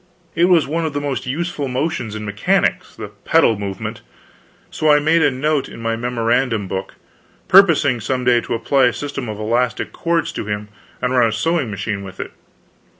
It was one of the most useful motions in mechanics, the pedal movement; so I made a note in my memorandum book, purposing some day to apply a system of elastic cords to him and run a sewing machine with it.